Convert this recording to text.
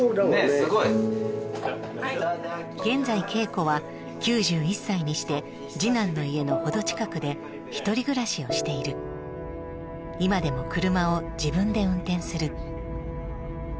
すごい現在桂子は９１歳にして次男の家の程近くで一人暮らしをしている今でも車を自分で運転する